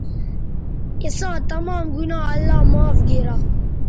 اِساں تمام گنا اللہ معاف گیرا